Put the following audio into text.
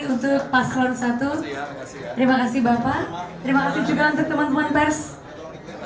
untuk paslon satu terima kasih bapak terima kasih juga untuk teman teman pers